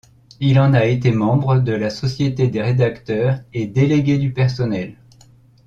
Il en a été membre de la Société des rédacteurs et délégué du personnel.